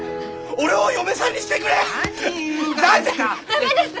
駄目です！